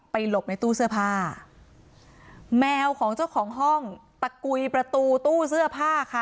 หลบในตู้เสื้อผ้าแมวของเจ้าของห้องตะกุยประตูตู้เสื้อผ้าค่ะ